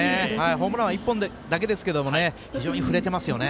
ホームランは１本だけですが非常に振れてますよね。